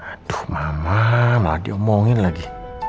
aduh mama mau diomongin lagi